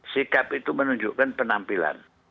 sikap itu menunjukkan penampilan